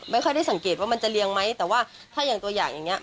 ไม่ค่อยได้สังเกตว่ามันจะเรียงไหมแต่ว่าถ้าอย่างตัวอย่างอย่างเงี้